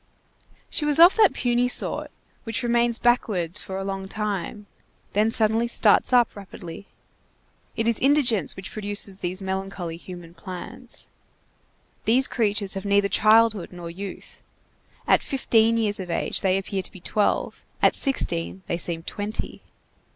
She was of that puny sort which remains backward for a long time, then suddenly starts up rapidly. It is indigence which produces these melancholy human plants. These creatures have neither childhood nor youth. At fifteen years of age they appear to be twelve, at sixteen they seem twenty.